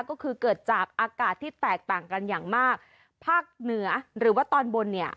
ก็คือเกิดจากอากาศที่แตกต่างกันอย่างมากภาคเหนือหรือว่าตอนบนเนี่ย